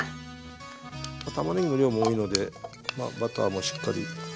たまねぎの量も多いのでバターもしっかり。